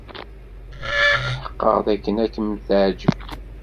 Tḥeqqeqeɣ d akken ad kem-teɛǧeb.